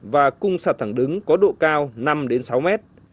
và cung sạt thẳng đứng có độ cao năm sáu mét